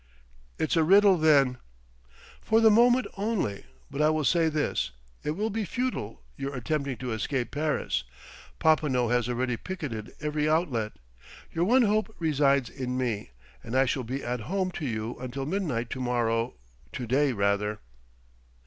"It's a riddle, then?" "For the moment only.... But I will say this: it will be futile, your attempting to escape Paris; Popinot has already picketted every outlet. Your one hope resides in me; and I shall be at home to you until midnight to morrow to day, rather."